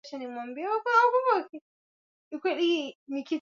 Jacob alikubali na akamwambia magreth ampeleke kwake ili yeye arudi hotelini kwake